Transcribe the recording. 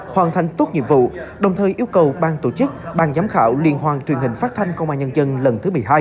hoàn thành tốt nhiệm vụ đồng thời yêu cầu bang tổ chức bang giám khảo liên hoan truyền hình phát thanh công an nhân dân lần thứ một mươi hai